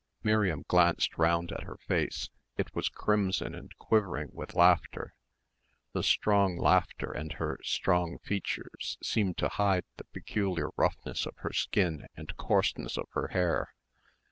Miriam glanced round at her face. It was crimson and quivering with laughter. The strong laughter and her strong features seemed to hide the peculiar roughness of her skin and coarseness of her hair.